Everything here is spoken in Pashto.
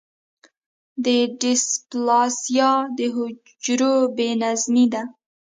د ډیسپلاسیا د حجرو بې نظمي ده.